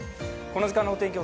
この時間のお天気